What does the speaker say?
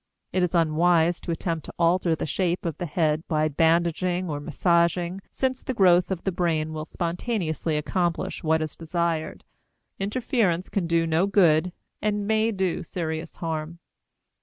It is unwise to attempt to alter the shape of the head by bandaging or massaging since the growth of the brain will spontaneously accomplish what is desired; interference can do no good, and may do serious harm.